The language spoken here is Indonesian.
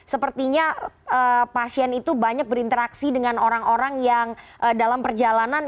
sepertinya pasien itu banyak berinteraksi dengan orang orang yang dalam perjalanan